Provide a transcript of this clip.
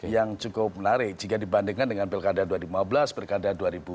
yang cukup menarik jika dibandingkan dengan pilkada dua ribu lima belas pilkada dua ribu tujuh belas